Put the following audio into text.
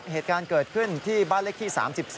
เหตุการณ์เกิดขึ้นที่บ้านเลขที่๓๒